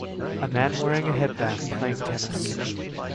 A man wearing a headband playing tennis.